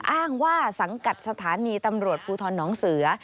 อ้างว่าสังกัดสถานีตำรวจภูทรน้องเสือ